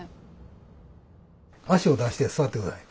足を出して座って下さい。